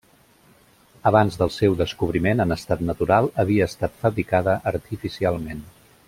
Abans del seu descobriment en estat natural havia estat fabricada artificialment.